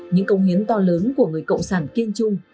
những công hiến to lớn của người cộng sản kiên trung